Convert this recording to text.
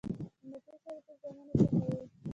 د مکې شریف زامنو څخه وو.